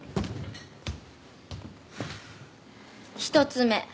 １つ目。